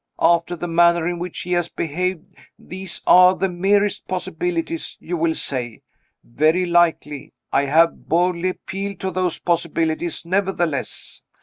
After the manner in which he has behaved, these are the merest possibilities, you will say. Very likely. I have boldly appealed to those possibilities nevertheless.